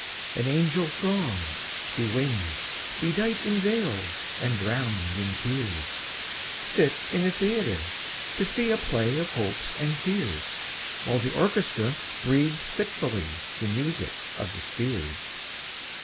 An angel throng, bewinged, bedight In veils, and drowned in tears, Sit in a theatre, to see A play of hopes and fears, While the orchestra breathes fitfully The music of the spheres.